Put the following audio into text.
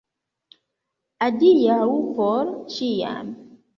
Adiaŭ por ĉiam.